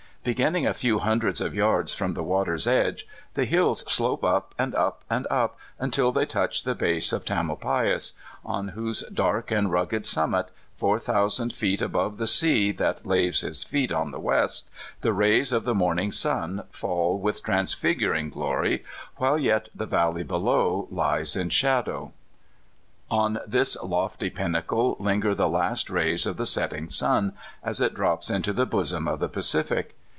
Beginning a few hundreds of yards from the water's edge, the hills slope up and up and up, until they touch the base of Tamdpais, on whose dark and rugged summit Tom thousand feet above the sea that laves his feet on the west, the rays of the morning sun fall wilh transfiguring glory f while yet the valley below les in shadow. On this lofty pinnacle hnger the last ravs of the setting sun, as it drops into the bosom of the Pacific.